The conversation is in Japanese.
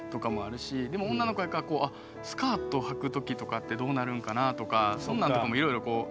でも女の子やからスカートはく時とかってどうなるんかなとかそんなんとかもいろいろこう。